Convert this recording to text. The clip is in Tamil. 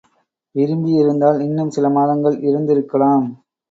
விருமபி இருந்தால் இன்னும் சில மாதங்கள் இருந்திருக்கலாம்.